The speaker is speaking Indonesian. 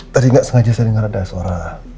tadi nggak sengaja saya dengar ada suara